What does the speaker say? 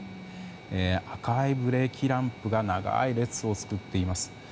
赤いブレーキランプが長い列を作っています。